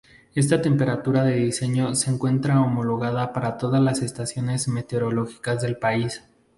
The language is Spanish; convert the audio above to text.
Esta temperatura de diseño se encuentra homologada para todas las estaciones meteorológicas del país.